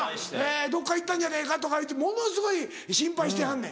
どっか行ったんじゃねえか」とかものすごい心配してはんねん。